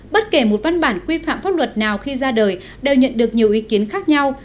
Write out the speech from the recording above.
bất kể một văn bản quy phạm pháp luật nào khi ra đời đều nhận được nhiều ý kiến khác nhau